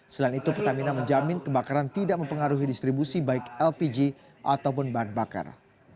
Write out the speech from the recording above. selain itu pertamina menjamin kebakaran tidak mempengaruhi distribusi baik lpg ataupun bahan bakar